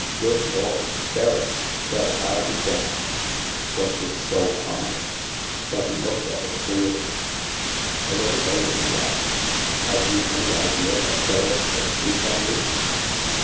" Good Lord ! Ferriss ! Well, FU be damned !" was his sole comment ; but he looked at her queerly. THE MAELSTROM 189 A little later he asked :'* Had you any idea that Ferriss was sweet on you